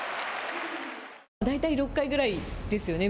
大体６回ぐらいですよね。